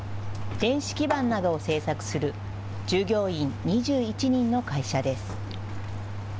電子基板などを製作する従業員２１人の会社です。